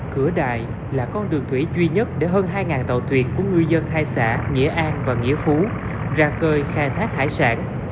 cửa đại là con đường thủy duy nhất để hơn hai tàu thuyền của ngư dân hai xã nghĩa an và nghĩa phú ra khơi khai thác hải sản